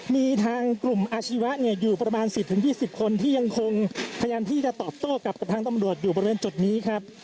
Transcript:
มีทางกลุ่มอาชีวะเนี่ยอยู่ประมาณ๑๐๒๐คนที่ยังคงพยายามที่จะตอบโต้กับทางตำรวจอยู่บริเวณจุดนี้ครับ